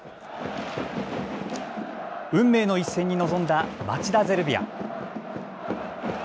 運命の一戦に臨んだ町田ゼルビア。